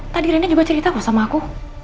tadi reina juga cerita kok sama aku